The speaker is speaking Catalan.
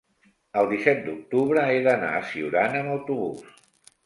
el disset d'octubre he d'anar a Siurana amb autobús.